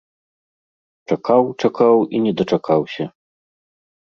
Чакаў-чакаў і не дачакаўся.